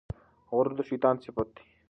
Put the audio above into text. غرور د شیطان صفت دی.